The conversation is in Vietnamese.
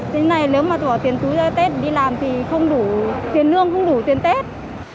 thế này nếu mà bỏ tiền túi ra để test đi làm thì không đủ tiền lương không đủ tiền test